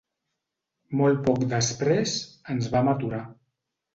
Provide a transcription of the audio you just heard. Molt poc després, ens vam aturar.